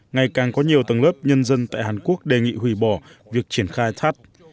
ngày càng có nhiều tầng lớp nhân dân tại hàn quốc đề nghị hủy bỏ việc triển khai thắt